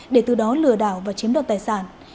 để từ đó lừa đảo và chiếm đoạt tài sản